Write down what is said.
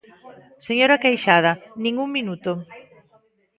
Señora Queixada, nin un minuto.